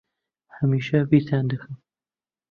ھەمیشە بیرتان دەکەم.